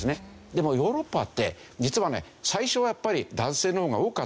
でもヨーロッパって実はね最初はやっぱり男性の方が多かったんですよ。